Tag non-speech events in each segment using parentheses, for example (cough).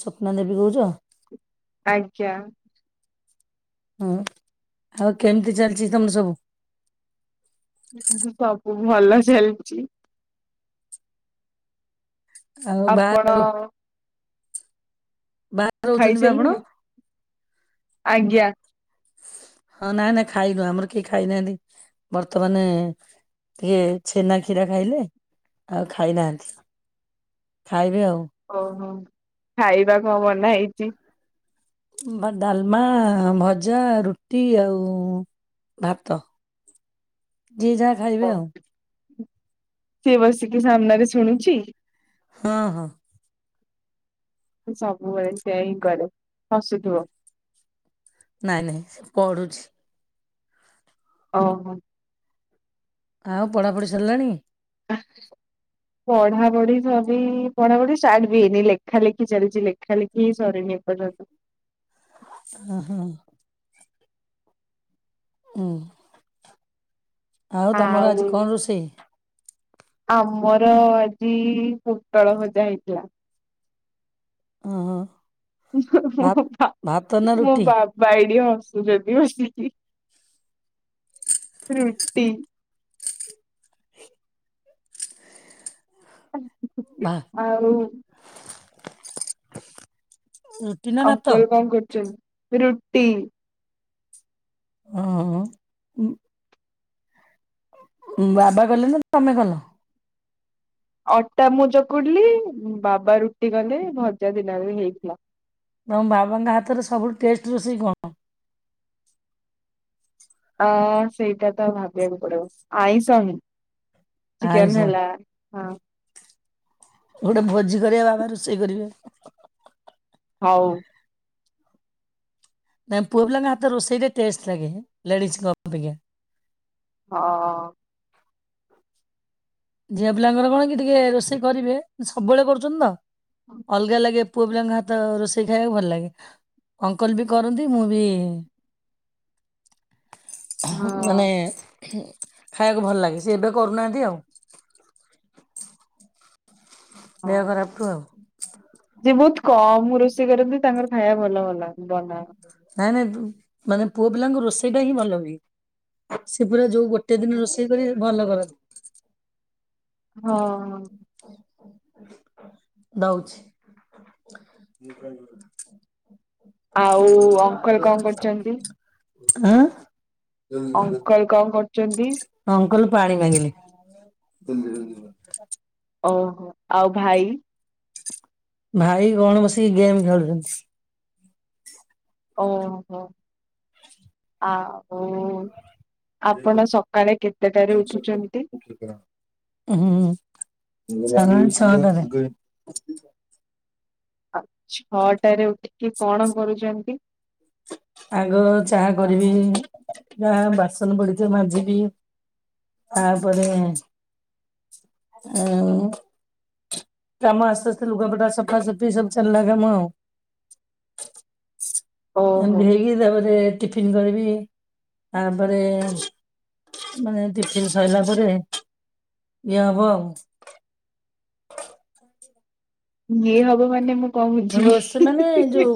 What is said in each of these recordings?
ସ୍ୱପ୍ନା ଦେବୀ କହୁଚ। ଆଜ୍ଞା। ହୁଁ ଆଉ କେମିତି ଚାଲିଛି ତମ ସବୁ। ସବୁ ଭଲ ଚାଲିଚି। ଆଉ ଆପଣ ଅ ବାଆରେ ରହୁଛନ୍ତି ବା ଆପଣ? ଆଜ୍ଞା। ହଁ ନାଇ ନାଇ ଖାଇନୁ ଆମର କେହି ଖାଇନାହାନ୍ତି ବର୍ତ୍ତମାନେ ଟିକେ ଛେନା କ୍ଷୀରା ଖାଇଲେ ଆଉ ଖାଇନାହାନ୍ତି ଖାଇବେ ଆଉ ଓ ହୋ। ଖାଇବା କଓଁ ବନାହେଇଛି? ଡାଲମା ଭଜା ରୁଟି ଆଉ ଭାତ। ଯିଏ ଯାହା ଖାଇବେ ଆଉ ସେ ବସିକି ସାମ୍ନାରେ ଶୁଣୁଚି ହଁ ହଁ। ସବୁବେଳେ ସେୟା ହିଁ କରେ ହସୁଥିବ। ନାଇଁ ନାଇଁ ସେ ପଢୁଛି। ଓହୋ। ଆଉ ପଢ଼ାପଢ଼ି ସାରିଲାଣି। (unintelligible) ପଢ଼ାପଢ଼ି ସବି ପଢ଼ାପଢ଼ି ଷ୍ଟାର୍ଟ ବି ହେଇନି ଲେଖା ଲେଖି ଚାଲିଛି ଲେ ଖାଲି କି ସରିଯାଇ (unintelligible) ଉହଁ। ହୁଁ। ଆଉ ତମର ଆଜି କଣ ରୋଷେଇ? ଆମର ଅ ଆଜି ଇ ପୋଟଳ ଭଜା ହେଇଥିଲା। ଓହୋ। ମୋ ମୋ ଭାତ ବାପ ନା ରୁଟି ବାପା ଏଠି ହସ୍ (unintelligible) ରୁଟି। (inaudible) ହୁଁ ହୁଁ ଭା ଆଉ ରୁଟି ନା ଭାତ ଅଙ୍କଲ କଣ କରୁଛନ୍ତି। ରୁଟି। ହଁ ଅ। ବାବା ଗଲେ ନା ତମେ କଲ ଅଟା ମଜ କଡିଲି ବାବା ରୁଟି କଲେ ଭଜା ଦିନରେ ହେଇଥିଲା। ତମ ବାବାଙ୍କ ହାତରେ ସବୁଠୁ ଟେଷ୍ଟ ରୋଷେଇ କଣ? ଅ ସେଇଟା ତ ଭାବିବାକୁ ପଡିବ ଆଇଁଷ ହିଁ। ଆଇଁଷ ଚିକେନ ହେଲା ହଁ। ଗୋଟେ ଭୋଜି କରିବା ବାବା ରୋଷେଇ କରିବେ। ହଉ। ନଇ ପୁଅ ପିଲାଙ୍କ ହାତର ରୋଷେଇ ଟା ଟେଷ୍ଟ ଲାଗେ ଲଡିଜ୍ ଗପି ହଁ। ଝିଅ ପିଲାଙ୍କର କଣ କି ଟିକେ ରୋଷେଇ କରିବେ ସବୁବେଳେ କରୁଛନ୍ତି ତ। ଅଲଗା ଲାଗେ। ପୁଅ ପିଲାଙ୍କ ହାତ ରୋଷେଇ ଖାଇବାକୁ ଭଲ ଲାଗେ। ଅଙ୍କଲ୍ ବି କରନ୍ତି ମୁଁ ବି ହଁ ମାନେ ଖାଇବାକୁ ଭଲ ଲାଗେ। ସେ ଏବେ କରୁନାହାନ୍ତି ଆଉ। ଦେହ ହଁ ଖରାପ ଠୁ ଆଉ। (inaudible) ଯେ ବହୁତ କମ୍ ରୋଷେଇ କରନ୍ତି ତାଙ୍କର ଖାଇବା ଭଲ ଭଲ ବନା। ନାଇଁ ନାଇଁ ବୁ ମାନେ ପୁଅ ପିଲାଙ୍କର ରୋଷେଇଟା ହିଁ ଭଲ ହୁଏ। ସି ପୁରା ଯଉ ଗୋଟେ ଦିନ ରୋଷେଇ କରିବେ ଭଲ କରନ୍ତି। ହଁ। ଦଉଛି। ଆଉ ଅ କହିଲେ କଣ କରୁଛନ୍ତି? ଆଁ। ଅଙ୍କଲ କଣ କରୁ ଛନ୍ତି। ଅଁକଲ୍ ପାଣି ମଙ୍ଗିଲେ। ଓହୋ ଆଉ ଭାଇ। ଭାଇ କଣ ବସିକି ଗେମ୍ ଖେଳୁଛନ୍ତି। ଓ ହୋ ଆ ଓ ଆପଣ ସକାଳେ କେତେଟାରେ ଉଠୁଛନ୍ତି? ତା ମାନେ ଛଅ ଜଣ। ଛଅଟାରେ ଉଠିକି କଣ କରୁଛନ୍ତି? ଆଗ ଚାହା କରିବି ବା ବାସନ୍ ପଡିଛି ମାଜିବି ତାପରେ ହୁଁ। କାମ ଆସ୍ତେ ଆସ୍ତେ ଲୁଗାପଟା ସଫା ସଫି ସବୁ ଚଲିଲା କାମ ଆଉ। ଓହୋ ଏମିତି ହେଇକି ତାପରେ ଟିଫିନ କରିବି। ଇ ତାପରେ ମାନେ ଟିଫିନ ସରିଲା ପରେ ଇଏ ହବ ଆଉ। ଇଏ ହବ ମାନେ ମୁଁ କଣ ବୁଝିବି ରୋଷେଇ ମାନେ ଯୋଉ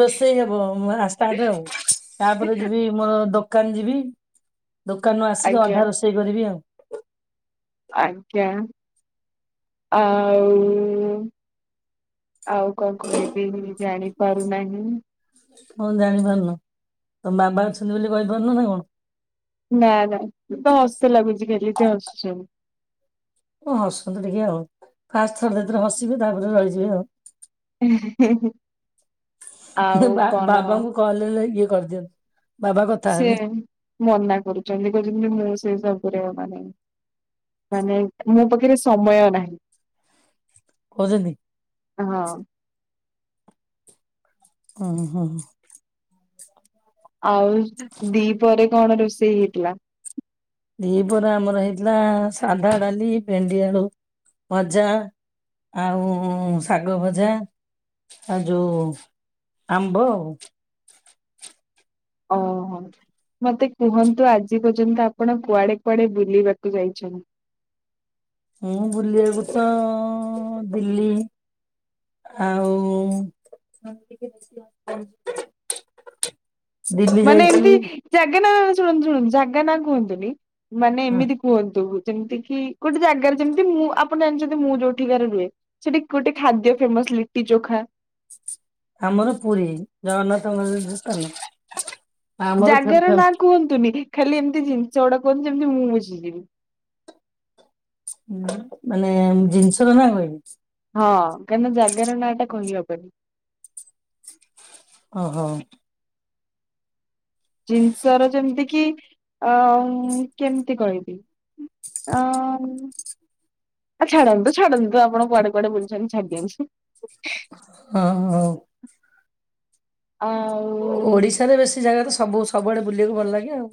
ରୋଷେଇ ହବ ମୋ ଷ୍ଟାର୍ଟ ଆଉ ତାପରେ ଯିବି ମୋର ଦୋ କାନ ଜିବୀ। ଦୋକାନରୁୁ ଆସିକି ଆଜ୍ଞା ଅଧା ରୋଷେଇ କରିବି ଆଉ। ଆଜ୍ଞା ଆଉ ଆଉ କଣ କହିବି। ଜାଣିପାରୁନାହିଁ। ହଁ ଜାଣିପାରୁନୁ ତମ ବାବା ଅଛନ୍ତି ବୋଲି କହିପାରୁନୁ ନା କଣ? ନାଁ ନାଁ ତ ହସ ଲାଗୁଛି ଖଲି ତ ହସଛନ୍ତି। ହଁ ହସନ୍ତୁ ଟିକେ ଆଉ ଫାଷ୍ଟ ଥରେ ଦିଥର ହସିବେ ତାପରେ ରହିଯିବେ ଆଉ। ଆଉ କଣ? କରଦିଅନି ସିଏ ମନା କରୁଛନ୍ତି କହୁଛନ୍ତି ମୋ ସେ ସବୁରେ ବ ନାହିଁ ମାନେ ମୋ ପାଖରେ ସମୟ ନାହିଁ। କହୁଛନ୍ତି। ହଁ ହ ହୋ। ଆଉ ଦିପହରେ କଣ ରୋଷେଇ ହେଇଥିଲା? ଦି ପହରେ ଆମର ହେଇଥିଲା ସାଧା ଡାଲି ଭେଣ୍ଡି ଆଳୁ ଭଜା ଆଉ ଶାଗ ଭଜା ଆଉ ଯୋଉ ଆମ୍ବ ଆଉ। ଓହୋ ମତେ କୁହନ୍ତୁ ଆଜି ପର୍ଯ୍ୟନ୍ତ ଆପଣ କୁଆଡେ କୁଆଡେ ବୁଲିବାକୁ ଯାଇଛନ୍ତି? ମୁଁ ବୁଲିବାକୁ ତ ଦିଲ୍ଲୀ ଆଉ ଦିଲ୍ଲୀ ମାନେ ଏମିତି ଯାଇଥିଲି ଜାଗ ନା ଶୁଣନ୍ତୁ ଶୁଣନ୍ତୁ ଜାଗା ନା କୁହନ୍ତୁନି। ମାନେ ହଁ ଏମିତି କୁହନ୍ତୁ ଯେମିତି କି ଗୋଟେ ଜାଗାରେ ଯେମିତି ମୁଁ ଆପଣ ଜାଣିଛନ୍ତି ମୁଁ ଯୋଉଠିକାରେ ରୁହେ ସେଠି ଗୋଟେ ଖାଦ୍ୟ ଫେମସ ଲିଟି ଚୋଖା। ଆମର ପୁରୀ ଜଗନ୍ନାଥ ମନ୍ଦିର ସ୍ଥାନ ଆମର ଫେ ଜାଗାର ଫେ ନାଁ କୁହନ୍ତୁନି ଖାଲି ଏମିତି ଜିନିଷ ଗୁଡା କୁହନ୍ତୁ ତ ମୁଁ ମୁଝିଯିବି। ମାନେ ଜିନିଷ ର ନା କହିବି? ହଁ କାହିଁନା ଜାଗାର ନାଁ ଟା କହିହବନି। ଓହୋ। ଜିନିଷ ର ଯେମିତି କିି ଆ କେମିତି କହିବି? ହଁ। ଆ ଛାଡନ୍ତୁ ଛାଡନ୍ତୁ ତ ଆପଣ କୁଆଡେ କୁଆଡେ ବୁଲଛନ୍ତି ଛାଡିଦିଅନ୍ତୁ। ହଁ ଓ ଆଉ ଓଡିଶାରେ ବେଶୀ ଜାଗା ରେ ସବୁ ସବୁଆଡେ ବୁଲିବାକୁ ଭଲ ଲାଗେ ଆଉ।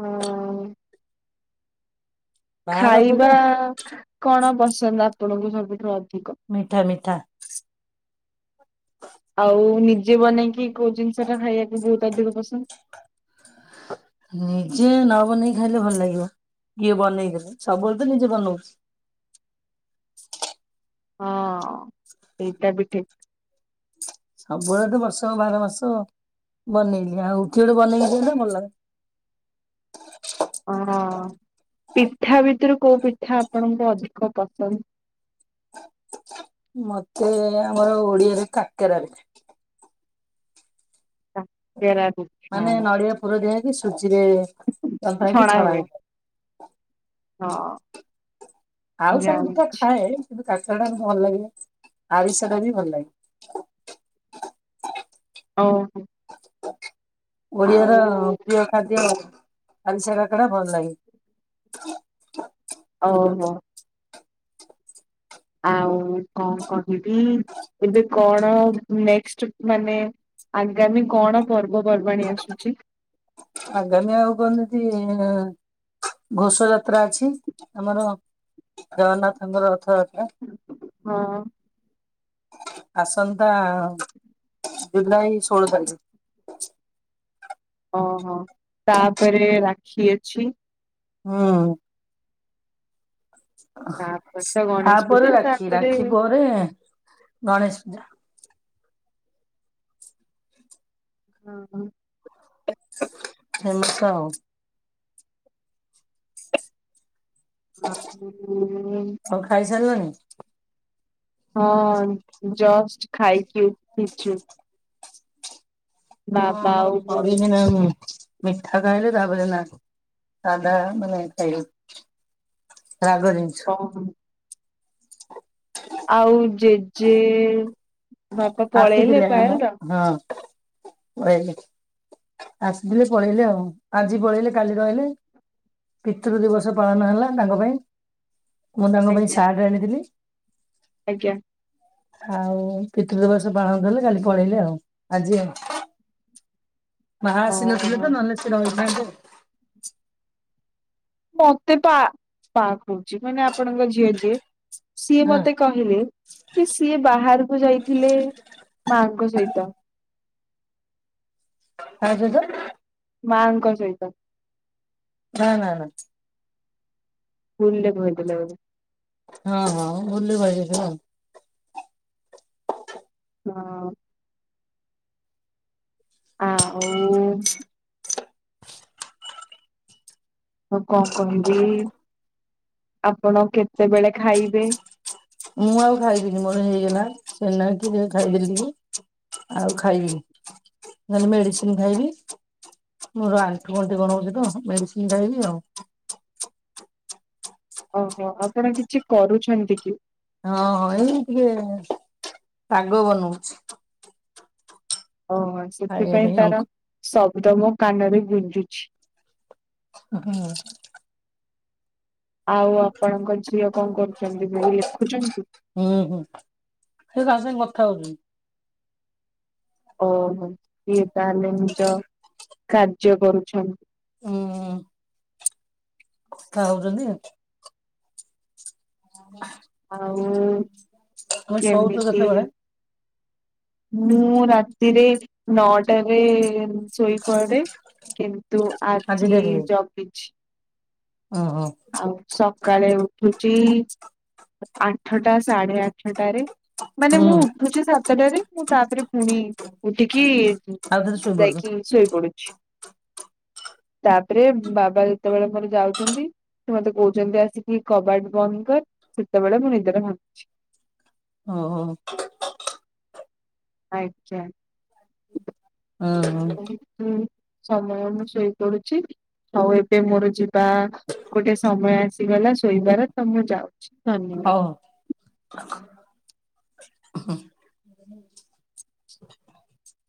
ହଉ ବାହାର ଖାଇବା ଅପେକ୍ଷା କଣ ବସ ପସନ୍ଦ ଆପଣଙ୍କୁ ସବୁଠାରୁ? ମିଠା ମିଠା ଆଉ ନିଜେ ବନେଇକି କୋଉ ଜିନିଷ ଟା ଖାଇବାକୁ ବହୁତ ଅଧିକ ପସନ୍ଦ? ବନେଇକି ଖାଇଲେ ଭଲ ଲାଗିବ, କିଏ ବନେଇଦେଲେ? ସବୁବେଳେ ତ ନିଜେ ବନଉଛି। ହଁ ଏଇଟା ବି ଠିକ। ସବୁବେଳେ ତ ବର୍ଷକ ବାର ମାସ ବନେଇଲି ଆଉ କିଏ ଗୋଟେ ବନେଇକି ଦେଲେ ଭଲ ଲାଗନ୍ତା। ହ ପିଠା ଭିତରୁ କୋଉ ପିଠା ଆପଣଙ୍କୁ ଅଧିକ ପସନ୍ଦ? ମତେ ଆମର ଓଡିଆରେ କାକେରା ପିଠା। କାକେରା ପିଠା ମାନେ ନଡ଼ିଆ ପୁର ଦିଆ ହେଇ ସୁଜି ଇଏ ଯନ୍ତା ହେଇକି ଛଣା ହେଇ ହଁ। ଆଉ ସବୁ ପିଠା ଜାଣିଚି ଖାଏ। କିନ୍ତୁ କାକରା ଟା ବି ଭଲ ଲାଗେ, ଆରିଶ ଟା ବି ଭଲ ଲାଗେ। ଓହୋ। ଓଡିଆ ର ଆଉ ପ୍ରିୟ ଖାଦ୍ୟ ଆରିଶା କାକରା ଭଲ ଲାଗେ। ଓହୋ। ଆଉ କଣ କହିବି ଏବେ କଣ ନେକ୍ସଟ ମାନେ ଆଗାମୀ କଣ ପର୍ବପର୍ବାଣୀ ଆସୁଛି? ଆଗାମୀ ଆଉ କେମିତି ଘୋଷଯାତ୍ରା ଅଛି ଆମର ଜଗନ୍ନାଥଙ୍କର ରଥ ହଁ। ଆସନ୍ତା ଜୁଲାଇ ଷୋହଳ ତାରିଖ। ଓହୋ ତାପରେ ରାକ୍ଷୀ ଅଛି। ହୁଁ। ତାପରେ ତ ଗଣେଶ ପୂଜା ତାପରେ ରାକ୍ଷୀ, ତାପରେ ରାକ୍ଷୀ ପରେ, ଗଣେଶ ପୂଜା। ହଁ ହଁ। (unintelligible) (unintelligible) ସାରିଲଣି? ହଁ ଜଷ୍ଟ ଖାଇ (unintelligible) ନା ଆମର ଆଉ ମୁଁ କରିନାହୁଁ। ମିଠା ଖାଇଲେ ତାପରେ ନା, ସାଧା ମାନେ ଖାଇଲେ। ରାଗରେ କଣ ଆଉ ଜେଜେ ବାପା ପଳେଇଲେ (inaudible) ପେଇ ଆସିଥିଲି ପଳେଇଲେ, ଆଉ ଆଜି ପଳେଇଲେ କାଲି ରହିଲେ, ପିତୃ ଦିବସ ପାଳନ ହେଲା, ତାଙ୍କ ପାଇଁ। ମୁଁ ତାଙ୍କ ପାଇଁ ଆଜ୍ଞା ସାର୍ଟ ଆଣିଥିଲି। ଆଜ୍ଞା। ଆଉ କି ପିତୃ ଦିବସ ପାଳନ କଲେ କାଲି ପଳେଇଲେ ଆଉ। ଆଜି ଆଉ। ମାହା ଆସି ନଥିଲେ ଓହୋ ତ ନହେଲେ ସିଏ ରହି ନାଇଁ ତ ମତେ ପା ପା କହୁଛି ମାନେ ଆପଣଙ୍କ ଝିଅ ଯିଏ। ସିଏ ହଁ ମତେ କହିଲେ କି ସିଏ ବାହାରକୁ ଯାଇଥିଲେ ମାଙ୍କ ସହିତ। ଆଜି ତ ମାଙ୍କ ସହିତ। ନା ନା ନା। ସ୍କୁଲରେ କହିଥିଲେ ବୋଧେ। ବୁଲୁ ଭାଇ କହିଥିଲା ଆଉ। ହଁ। ଆଁ ଓଉ ମୁଁ କଣ କହିବି ଆପଣ କେତେବେଳେ ଖାଇବେ? ମୁଁ ଆଉ ଖାଇବିନି ମୋର ହେଇଗଲା। ସେନାକି ଖାଇଦେଲି ଟିକେ ଆଉ ଖାଇବିନି। ଖାଲି ମେଡିସିନ ଖାଇବି ମୋର ଆଣ୍ଠୁ ଗଣ୍ଠି କଣ ହଉଛି ତ ମେଡିସିନ ଖାଇବି ଆଉ। ଓହୋ ଆପଣ କିଛି କରୁଛନ୍ତି କି? ହଁ ଏଇ ଟିକେ ଶାଗ ବନଉଛି। ଓ ଆଚ୍ଛା ଖାଇବା ସେଥିପାଇଁ ପାଇଁ ତାର ଅଙ୍କ ସବ ମୁଁ ତ ମୋ କାନରେ ଗୁଞ୍ଜୁଛି। ହୁଁ। ଆଉ ଆପଣଙ୍କ ଝିଅ କଣ କରୁଛନ୍ତି ସେ ଲେଖୁଛନ୍ତି? ଥା ହଉଚି। ଓହୋ। ଏ ତାହେଲେ ନିଜ କାର୍ଯ୍ୟ କରୁଛନ୍। ହୁଁ ଉଁ। କଥା ହଉଛନ୍ତି? (unintelligible) ଆଉ ତମେ ଶୋଉଛ କେମିତି କେତେବେଳେ ମୁଁ ରାତିରେ ନଅଟାରେ ଶୋଇପଡେ କିନ୍ତୁ ଆଜି ଡେରି ହେଇଛି ଜଗିଛି। ଓହୋ ଆଉ ସକାଳେ ଉଠୁଚି ଆଠଟା ସାଢେ ଆଠଟାରେ ମାନେ ମୁଁ ହୁଁ ଉଠୁଛି ସାତଟାରେ ଉଠେ ମୁଁ ତାପରେ ପୁଣି ଉଠିକି ଆଉ ଥରେ ଶୋଇପଡୁଛ ଯାଇକି ଶୋଇ ପଡୁଛି। ତାପରେ ବାବା ଯେତେବେଳେ ମୋର ଯାଉଚନ୍ତି ସେ ମତେ କହୁଛନ୍ତି ଆସିକି କବାଟ ବନ୍ଦ କର ସେତେବେଳେ ମୋ ନିଦଟା ଭାଙ୍ଗୁଚି। ହଉ ହଉ। ଆଚ୍ଛା। ଅ ହଁ। ସମୟ ମୁଁ ଶୋଇପଡୁଛି ଆଉ ଏବେ ମୋର ଯିବା ଗୋଟେ ସମୟ ଆସିଗଲା ଶୋଇବାର ତ ମୁଁ ଯାଉଛି। ଧନ୍ୟବାଦ। ହଉ।